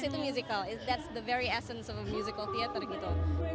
itu musikal itu aset musikal teater gitu